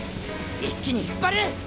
一気に引っ張る。